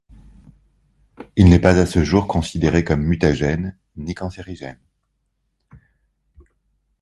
Il n’est pas à ce jour considéré comme mutagène, ni cancérigène.